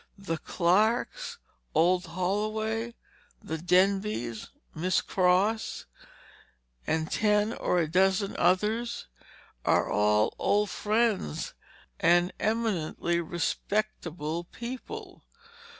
The Clarks, old Holloway, the Denbys, Miss Cross—and ten or a dozen others—are all old friends and eminently respectable people!